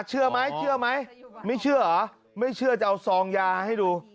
เชื่อไหมเชื่อไหมไม่เชื่อเหรอไม่เชื่อจะเอาซองยาให้ดู